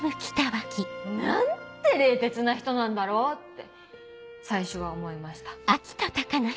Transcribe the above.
何て冷徹な人なんだろう！って最初は思いました。